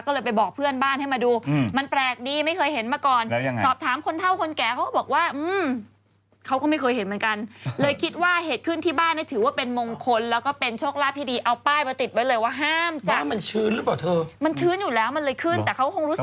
ก็เลยไปบอกเพื่อนบ้านให้มาดูมันแปลกดีไม่เคยเห็นมาก่อนแล้วยังไงสอบถามคนเท่าคนแก่เขาก็บอกว่าเขาก็ไม่เคยเห็นเหมือนกันเลยคิดว่าเห็ดขึ้นที่บ้านนี่ถือว่าเป็นมงคลแล้วก็เป็นโชคลาภที่ดีเอาป้ายมาติดไว้เลยว่าห้ามจ้ะมันชื้นหรือเปล่าเธอมันชื้นอยู่แล้วมันเลยขึ้นแต่เขาคงรู้สึก